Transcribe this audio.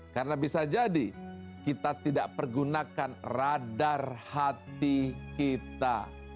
karena bisa jadi kita tidak pergunakan radar hati kita